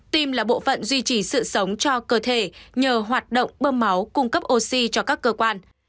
tim là bộ phận duy trì sự sống cho cơ thể nhờ hoạt động bơm máu cung cấp oxy cho các cơ quan